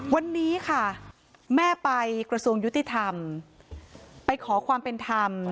วันนี้ค่ะแม่ไปกระทรวงยุติธรรมไปขอความเป็นธรรม